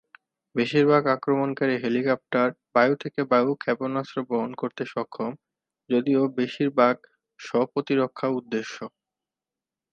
বেশিরভাগ আক্রমণকারী হেলিকপ্টার বায়ু-থেকে-বায়ু ক্ষেপণাস্ত্র বহন করতে সক্ষম, যদিও বেশিরভাগ স্ব-প্রতিরক্ষা উদ্দেশ্যে।